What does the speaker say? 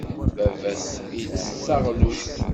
Baba-s ittess taɣlust?